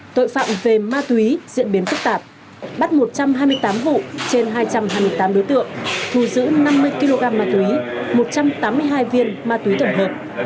tội phạm về ma túy diễn biến phức tạp bắt một trăm hai mươi tám vụ trên hai trăm hai mươi tám đối tượng thu giữ năm mươi kg ma túy một trăm tám mươi hai viên ma túy tổng hợp